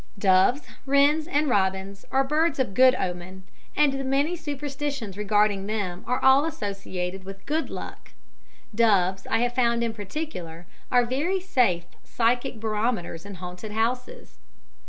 Doves, wrens, and robins are birds of good omen, and the many superstitions regarding them are all associated with good luck. Doves, I have found in particular, are very safe psychic barometers in haunted houses.